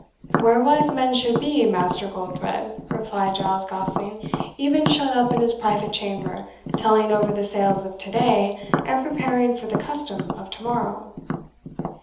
"Where wise men should be, Master Goldthred," replied Giles Gosling; "even shut up in his private chamber, telling over the sales of to day, and preparing for the custom of to morrow."